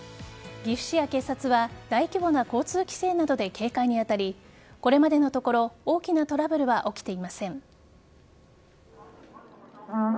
岐阜市や警察は大規模な交通規制などで警戒に当たりこれまでのところ大きなトラブルは起きていません。